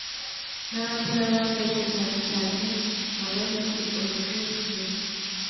n’abandi n’abandi ariko cyane cyane abari muri Orchestre